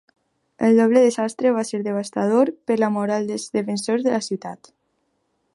El doble desastre va ser devastador per la moral dels defensors de la ciutat.